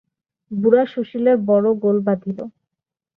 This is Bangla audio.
বুড়া সুশীলের বড়ো গোল বাধিল।